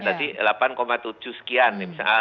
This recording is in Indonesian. tadi delapan tujuh sekian